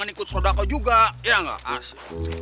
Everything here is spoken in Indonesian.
iya gak asli